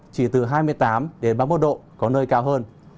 chỉ từ hai mươi tám ba mươi một độ có nơi cao hơn